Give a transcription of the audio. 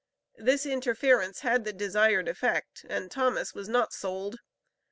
This interference had the desired effect, and Thomas was not sold.